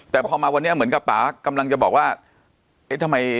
แต่พอมาวันนี้เหมือนกับป่ากำลังจะบอกว่าเอ๊ะทำไม